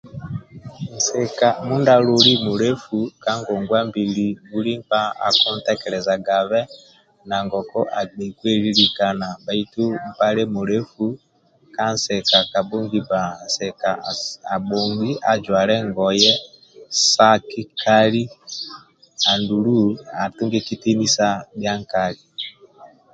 Nsika mindia aloli mulefu ka ngongwa mbili buli nkpa akuntekelezagabe ngoku agbei kwelilikana bhaitu mpale mulefu ka nsika kabhongi bba nsika abhongi ajwale ngoye sa kikali andulu atunge kitinisa ndia nkali